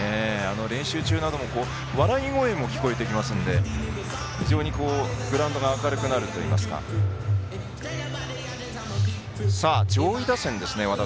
練習中には笑い声も聞こえてきますのでグラウンドが明るくなるといいますか上位打線ですね。